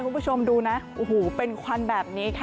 คุณผู้ชมดูนะโอ้โหเป็นควันแบบนี้ค่ะ